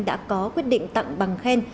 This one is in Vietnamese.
đã có quyết định tặng bằng khen